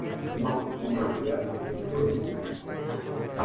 Juega de delantero o de volante por los extremos y actualmente está sin equipo.